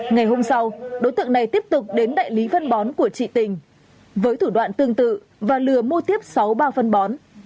ngày hôm sau đối tượng này tiếp tục đến đại lý phân bón của chị tình với thủ đoạn tương tự và lừa mua tiếp sáu bao phân bón